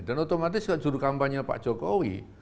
dan otomatis juru kampanye pak jokowi